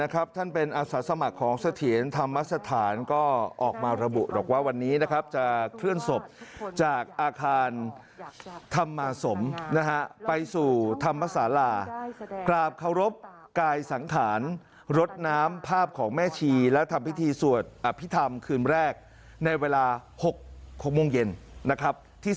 ของเขาก็ไม่ใช่ของเรา